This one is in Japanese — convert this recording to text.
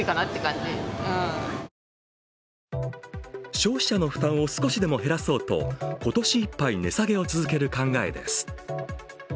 消費者の負担を少しでも減らそうと、今年いっぱい値下げを続ける考えです。